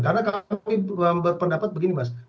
karena kami berpendapat begini mas